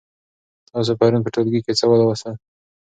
تاسې پرون په ټولګي کې څه ولوستل؟